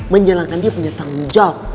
menjalankan dia punya tanggung jawab